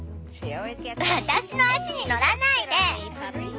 私の足に乗らないで！